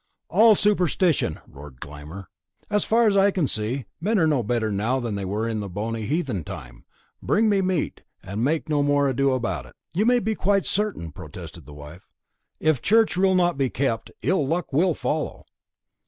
"All superstition!" roared Glámr. "As far as I can see, men are no better now than they were in the bonny heathen time. Bring me meat, and make no more ado about it." "You may be quite certain," protested the good wife, "if Church rule be not kept, ill luck will follow."